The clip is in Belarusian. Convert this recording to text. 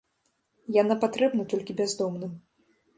Яна патрэбна толькі бяздомным.